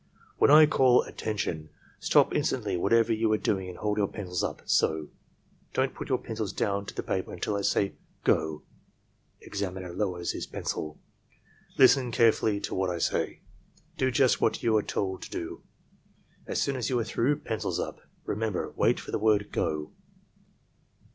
"When I call 'Attention,' stop instantly whatever you are doing and hold your pencil up — so. Don't put your pencil down to the paper until I say 'Go.' (Examiner lowers his pencil.) Listen carefully to what I say. Do just what you are told to TESTS IN STUDENTS' ARMY TRAINING CORPS 167 do. As soon as you are through, pencils up. Remember, wait for the word 'Go.'"